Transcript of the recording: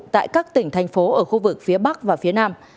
tại các tỉnh thành phố ở khu vực phía bắc và phía nam